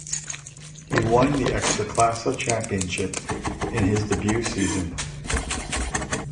He won the Ekstraklasa championship in his debut season.